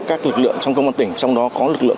các lực lượng trong công an tỉnh trong đó có lực lượng